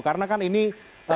karena kan ini tantangannya